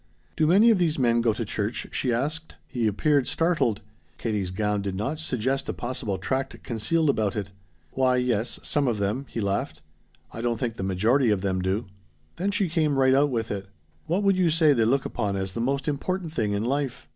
"Do many of these men go to church?" she asked. He appeared startled. Katie's gown did not suggest a possible tract concealed about it. "Why yes, some of them," he laughed. "I don't think the majority of them do." Then she came right out with it. "What would you say they look upon as the most important thing in life?"